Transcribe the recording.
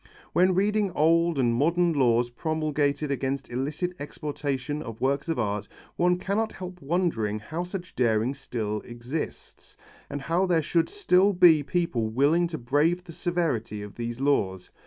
When reading old and modern laws promulgated against illicit exportation of works of art, one cannot help wondering how such daring still exists, and how there should still be people willing to brave the severity of these laws.